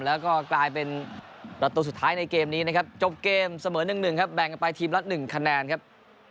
แล้วก็กลายเป็นประตูสุดท้ายในเกมนี้นะครับจบเกมเสมอ๑๑ครับแบ่งกันไปทีมละ๑คะแนนครับ